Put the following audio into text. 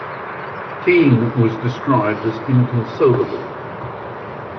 Keane was described as "inconsolable".